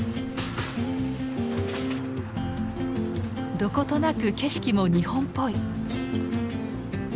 どことなく景色も日本っぽい。